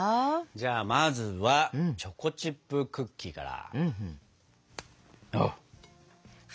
じゃあまずはチョコチップクッキーから。